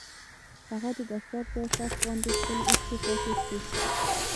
هغه د دستار په شف باندې خپلې اوښکې پاکې کړې.